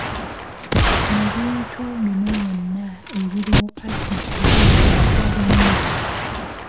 Ebintu bino byonna ebiriwo kati bitujjukiza bingi.